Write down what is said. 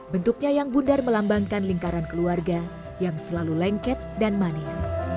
bentuknya yang bundar melambangkan lingkaran keluarga yang selalu lengket dan manis